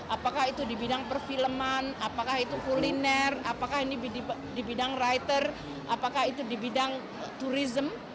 apakah itu di bidang perfilman apakah itu kuliner apakah ini di bidang writer apakah itu di bidang turisme